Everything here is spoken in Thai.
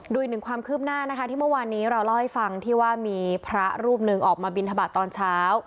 ดูอีกหนึ่งความคืบหน้านะคะที่เมื่อวานนี้เราเล่าให้ฟังที่ว่ามีพระรูปหนึ่งออกมาบินทบาทตอนเช้า